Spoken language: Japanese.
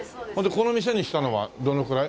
この店にしたのはどのくらい？